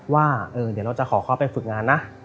ว่าเดี๋ยวเราจะขอเขาไปฝึกงานนะ